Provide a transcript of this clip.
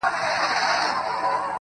ټول عمر ښېرا کوه دا مه وايه~